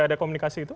ada komunikasi itu